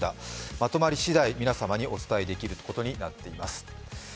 まとまりしだい、皆様にお伝えできることになっています。